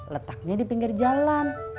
letaknya di pinggir jalan